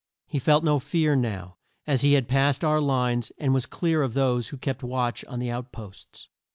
He felt no fear now, as he had passed our lines, and was clear of those who kept watch on the out posts.